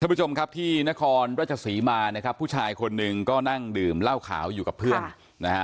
ผู้ชมครับที่นครราชศรีมานะครับผู้ชายคนหนึ่งก็นั่งดื่มเหล้าขาวอยู่กับเพื่อนนะฮะ